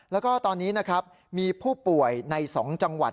แล้วก็ตอนนี้นะครับมีผู้ป่วยใน๒จังหวัด